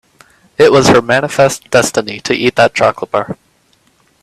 It was her manifest destiny to eat that chocolate bar.